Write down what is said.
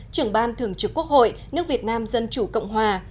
trưởng ban thường trực quốc hội nước việt nam dân chủ cộng hòa